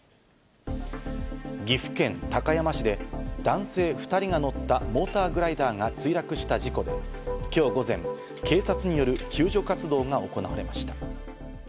岐阜県高山市で男性２人が乗ったモーターグライダーが墜落した事故で、今日午前、警察による救助活動が行われました。